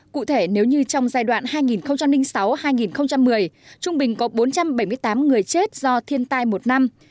cụ thể nếu như trong giai đoạn hai nghìn sáu hai nghìn một mươi trung bình có bốn trăm bảy mươi tám người chết do thiên tai một năm